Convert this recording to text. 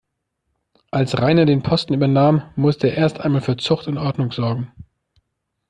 Als Rainer den Posten übernahm, musste er erst einmal für Zucht und Ordnung sorgen.